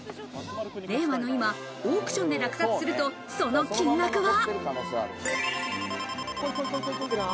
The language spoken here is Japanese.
令和の今、オークションで落札すると、その金額は。